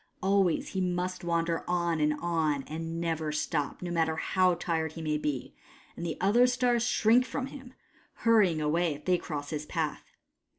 Always he must wander on and on, and never stop, no matter how tired he may be ; and the other stars shrink from him, hurrying away if they cross his path.